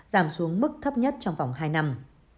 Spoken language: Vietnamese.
giảm xuống mức thấp nhất trong vòng hai năm